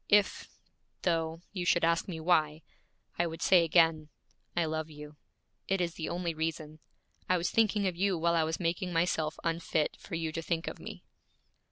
If, though, you should ask me why, I would say again, I love you. It is the only reason. I was thinking of you while I was making myself unfit for you to think of me.'